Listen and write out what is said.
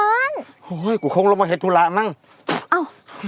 อ้าวเห้ยกูคงล่วงมาเห็นธุลาห์แม่งอ้าว